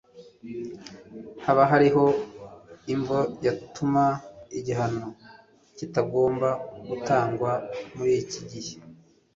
Hoba hariho imvo yatuma igihano kitagomba gutangwa muriki gihe?